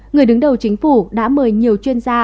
người đứng đầu chính phủ đã mời nhiều chuyên gia